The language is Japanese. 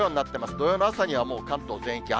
土曜の朝にはもう関東全域、雨。